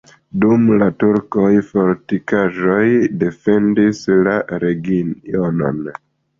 Dum la turkoj fortikaĵo defendis la regionon.